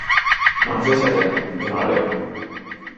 Non sei se a ten, e nola le.